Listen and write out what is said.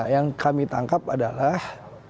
yang kami tangkap adalah